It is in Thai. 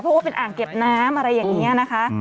เพราะว่าเป็นอ่างเก็บน้ำอะไรอย่างนี้นะคะ